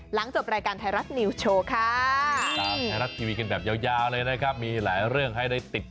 หลังจบรายการไทรัฐนิวโชว์ค่ะ